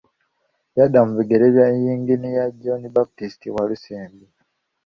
Yadda mu bigere bya Yinginiya John Baptist Walusimbi.